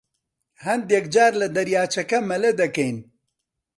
هەندێک جار لە دەریاچەکە مەلە دەکەین.